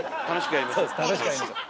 やりましょう。